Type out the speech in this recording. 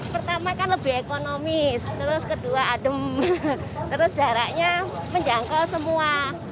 pertama kan lebih ekonomis terus kedua adem terus jaraknya menjangkau semua